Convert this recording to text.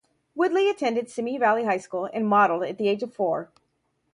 Woodley attended Simi Valley High School and modeled at the age of four.